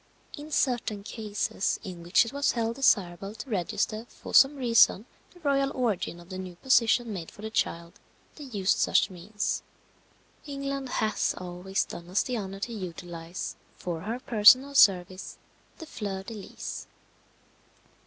In certain cases in which it was held desirable to register for some reason the royal origin of the new position made for the child, they used such means. England has always done us the honour to utilize, for her personal service, the fleur de lis.